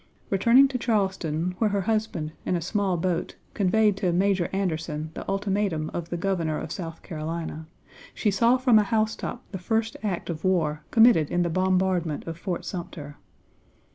Returning to Charleston, where her husband, in a small boat, conveyed to Major Anderson the ultimatum of the Governor of South Carolina, she saw from a housetop the first act of war committed in the bombardment of Fort Sumter.